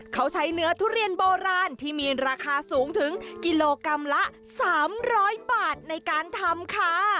เขาใช้เนื้อทุเรียนโบราณที่มีราคาสูงถึงกิโลกรัมละ๓๐๐บาทในการทำค่ะ